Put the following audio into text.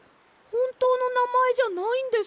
ほんとうのなまえじゃないんですか？